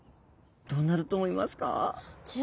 どうなると思いますか？